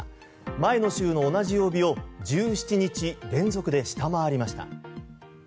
前の週の同じ曜日を１７日連続で下回りました。